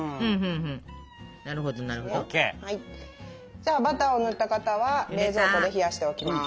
じゃあバターを塗った型は冷蔵庫で冷やしておきます。